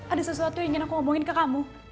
ada sesuatu yang ingin aku ngomongin ke kamu